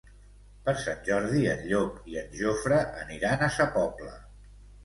Per Sant Jordi en Llop i en Jofre aniran a Sa Pobla.